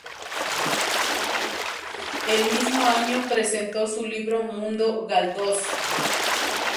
El mismo año presentó su libro "Mundo Galdós".